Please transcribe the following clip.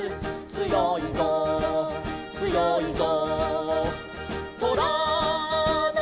「つよいぞつよいぞ」